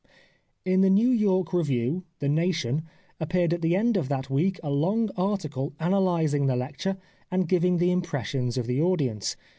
In the New York review. The Nation^ appeared at the end of that week a long article analysing the lecture and giving the impressions of the audience.